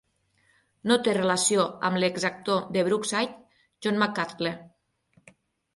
No té relació amb l'exactor de Brookside John McArdle.